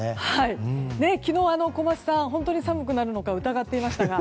昨日、小松さん本当に寒くなるのか疑っていましたが。